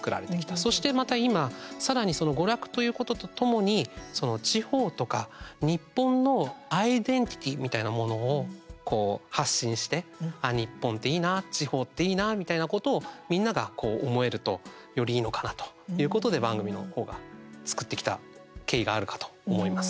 そして、また今さらにその娯楽ということとともに地方とか日本のアイデンティティーみたいなものを発信してあ、日本ていいな地方っていいな、みたいなことをみんなが思えると、よりいいのかなということで番組の方が作ってきた経緯があるかと思います。